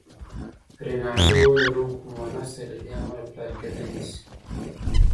رینالډي وویل: روم خو مونث دی، له دې امله پلار کېدای نه شي.